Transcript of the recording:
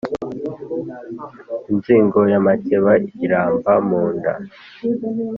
inzigo y'amakeba iramba mu nda.